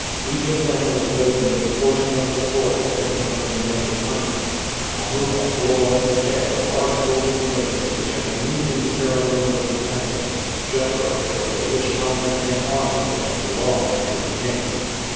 Each of them was laden with a portion of the spoil taken from their native country. Amuba bore on his head a large golden vase which had been used in the ceremonies of the temple. Jethro carried a rich helmet and armor which had belonged to the king.